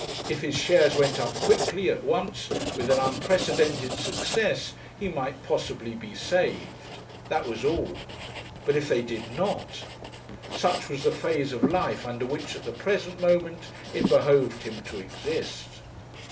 If his shares went up quickly, at once, with an unprecedented success, he might possibly be saved. That was all. But if they did not ! Such was the phase of life under which at the present moment it behoved him to exist.